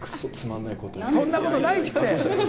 そんなことないって。